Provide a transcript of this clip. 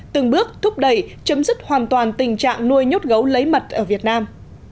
từng bước thúc đẩy chấm dứt hoàn toàn tình trạng nuôi nhốt gấu lấy mật ở việt nam